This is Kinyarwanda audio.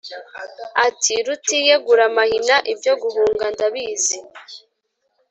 ati: rutiyegura amahina ibyo guhunga ntabizi!